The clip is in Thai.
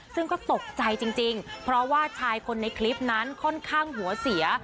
ซึ่งก็ตกใจจริงเพราะว่าชายคนในคลิปนั้นค่อนข้างหัวเสีย